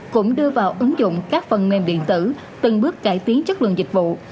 cũng đưa vào ứng dụng các phần mềm điện tử từng bước cải tiến chất lượng dịch vụ